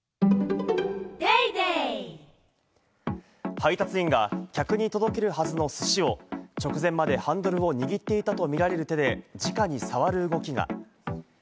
配達員が客に届けるはずの寿司を直前までハンドルを握っていたとみられる手でじかに触る動きが。